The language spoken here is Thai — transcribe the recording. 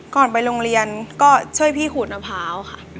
ไปโรงเรียนก็ช่วยพี่ขูดมะพร้าวค่ะ